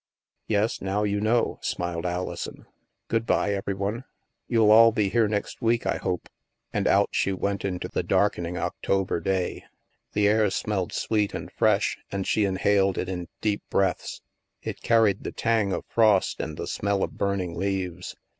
" Yes, now you know," smiled Alison. " Good bye, every one. You'll all be here next week, I hope." And out she went into the darkening Oc tober day. The air smelled sweet and fresh, and she inhaled it in deep breaths. It carried the tang of frost and the smell of burning leaves.